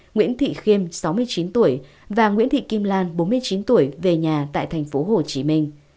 nguyễn thị khiêm sáu mươi chín tuổi và nguyễn thị kim lan bốn mươi chín tuổi về nhà tại thành phố hồ chí minh